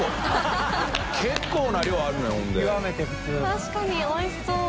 確かにおいしそう！